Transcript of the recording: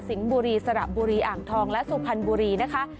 บุรีสระบุรีอ่างทองและสุพรรณบุรีนะคะ